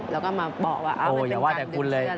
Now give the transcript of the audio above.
แล้วก็มาบอกว่าอะมันเป็นการดึงเชื่อเลย